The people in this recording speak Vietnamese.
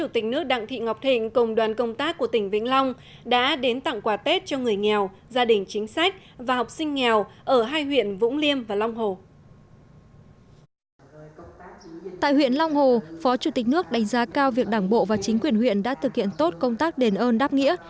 tại huyện long hồ phó chủ tịch nước đánh giá cao việc đảng bộ và chính quyền huyện đã thực hiện tốt công tác đền ơn đáp nghĩa